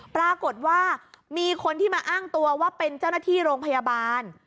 ปรากฏว่ามีคนที่มาอ้างตัวว่าเป็นเจ้าหน้าที่โรงพยาบาล